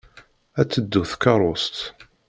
Ad teddu tkeṛṛust.